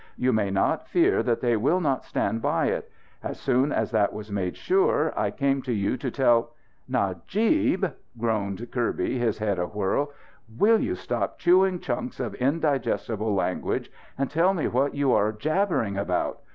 You may not fear that they will not stand by it. As soon as that was made sure I came to you to tell " "Najib!" groaned Kirby, his head awhirl. "Will you stop chewing chunks of indigestible language, and tell me what you are jabbering about?